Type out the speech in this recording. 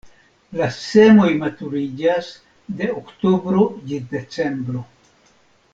La semoj maturiĝas de oktobro ĝis decembro.